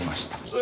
え？